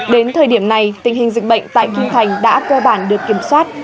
đến thời điểm này tình hình dịch bệnh tại kim thành đã cơ bản được kiểm soát